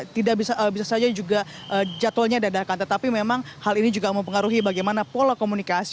tidak bisa saja juga jadwalnya dadakan tetapi memang hal ini juga mempengaruhi bagaimana pola komunikasi